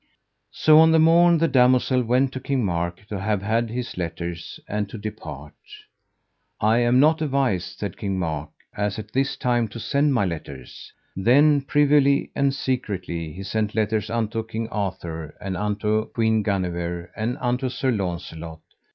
So on the morn the damosel went to King Mark to have had his letters and to depart. I am not avised, said King Mark, as at this time to send my letters. Then privily and secretly he sent letters unto King Arthur, and unto Queen Guenever, and unto Sir Launcelot.